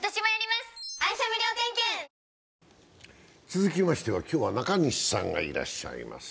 続きましては今日は中西さんがいらっしゃいます。